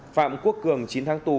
phạm quốc cường chín tháng tù